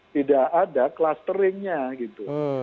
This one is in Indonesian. tidak ada clusteringnya gitu